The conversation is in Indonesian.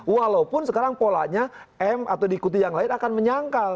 walaupun sekarang polanya m atau diikuti yang lain akan menyangkal